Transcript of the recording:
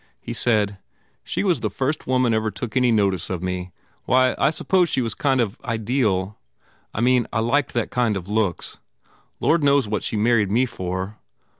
He said, "She was the first woman ever took any notice of me. Why, I suppose she was a kind of ideal. I mean, I liked that kind of looks. Lord knows what she married me for.